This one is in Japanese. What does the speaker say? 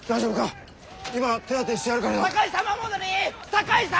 酒井様